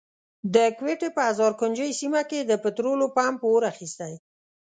د کوټي په هزارګنجۍ سيمه کي د پټرولو پمپ اور اخستی.